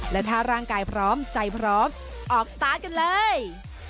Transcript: และถ้าร่างกายพร้อมใจพร้อมออกสตาร์ทกันเลย